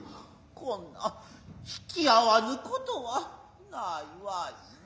こんな引き合わぬ事はないわいナ。